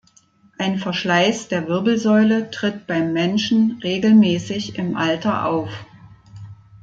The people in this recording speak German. Ein Verschleiß der Wirbelsäule tritt beim Menschen regelmäßig im Alter auf.